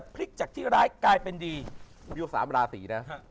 เป็นดี